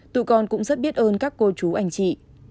tụ con cũng rất biết ơn các cô chú anh chị